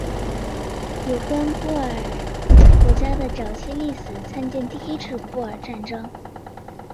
有关布尔人国家的早期历史参见第一次布尔战争。